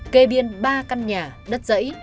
kê biên ba căn nhà đất dãy